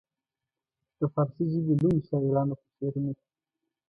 د فارسي ژبې لویو شاعرانو په شعرونو کې.